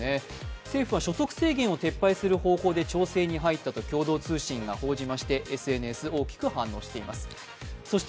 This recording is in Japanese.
政府は所得制限を撤廃する方向で調整に入ったと共同通信が報じましてＳＮＳも大きく反応しました。